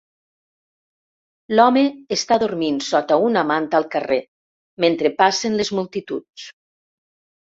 L'home està dormint sota una manta al carrer mentre passen les multituds.